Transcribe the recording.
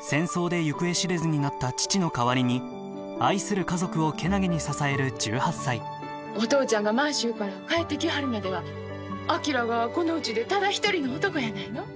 戦争で行方知れずになった父の代わりに愛する家族を健気に支える１８歳お父ちゃんが満州から帰ってきはるまでは昭がこのうちでただ一人の男やないの。